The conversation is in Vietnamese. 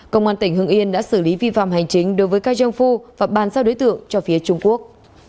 công an tỉnh hưng yên đã xử lý vi phạm hành chính đối với kai jong fu và bàn giao đối tượng cho phía trung quốc